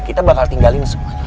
kita bakal tinggalin semuanya